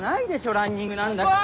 ランニングなんだから。